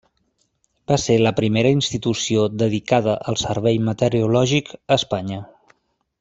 Va ser la primera institució dedicada al servei meteorològic a Espanya.